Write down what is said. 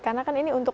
karena kan ini untuk